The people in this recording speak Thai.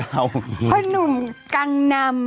ฮะหนุ่มกังนำ